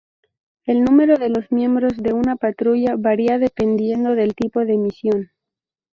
El número de los miembros de una patrulla varía dependiendo del tipo de misión.